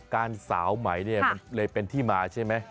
สาวใหม่เนี่ยมันเลยเป็นที่มาใช่ไหม